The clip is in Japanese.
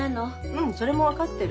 うんそれも分かってる。